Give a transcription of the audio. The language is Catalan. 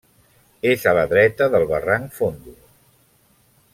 És a la dreta del barranc Fondo.